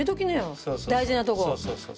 大事なとこ。